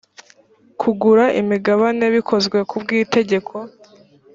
kugura imigabane bikozwe ku bw itegeko